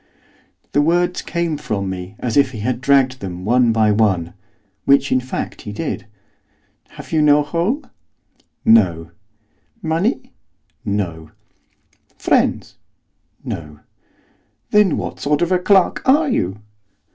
The words came from me as if he had dragged them one by one, which, in fact, he did. 'Have you no home?' 'No.' 'Money?' 'No.' 'Friends?' 'No.' 'Then what sort of a clerk are you?